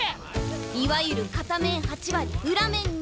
いわゆる片面８割裏面２割。